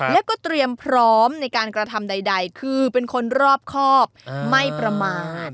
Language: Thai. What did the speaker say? แล้วก็เตรียมพร้อมในการกระทำใดคือเป็นคนรอบครอบไม่ประมาท